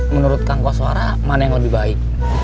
menurut kang koswara mana yang lebih baik